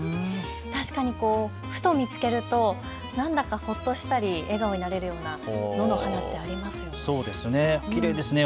確かにふと見つけると何だかほっとしたり笑顔になれるような野の花ですよね。